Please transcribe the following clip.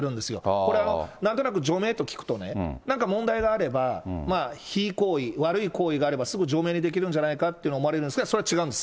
これはなんとなく除名と聞くと、なんか問題があれば、非違行為、悪い行為があれば、すぐ除名にできるんじゃないかって、思われるんですがそれは違うんです。